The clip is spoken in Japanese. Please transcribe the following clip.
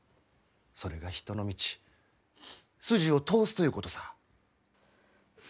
それが人の道筋を通すということさぁ。